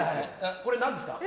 これ何ですか？